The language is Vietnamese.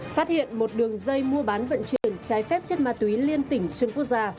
phát hiện một đường dây mua bán vận chuyển trái phép chất ma túy liên tỉnh xuyên quốc gia